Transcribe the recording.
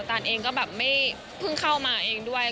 ตานเองก็แบบไม่เพิ่งเข้ามาเองด้วย